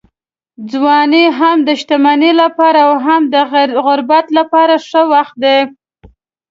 ځواني هم د شتمنۍ لپاره او هم د غربت لپاره ښه وخت دی.